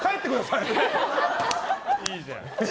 いいじゃん。